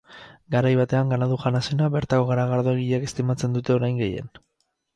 Garai batean ganadu-jana zena, bertako garagardo egileek estimatzen dute orain gehien.